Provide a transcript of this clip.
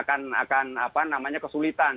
akan apa namanya kesulitan